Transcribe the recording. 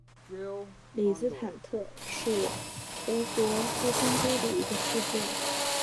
里茨塔特是德国黑森州的一个市镇。